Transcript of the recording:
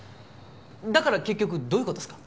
だから結局どういう事っすか？